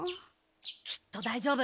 きっとだいじょうぶ。